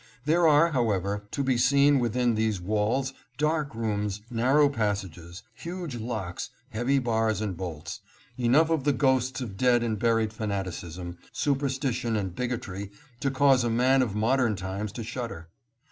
There are, however, to be seen within these walls dark rooms, narrow passages, huge locks, heavy bars and bolts ; enough of the ghosts of dead and buried fanaticism, superstition and bigotry to cause a man of modern times to shudder.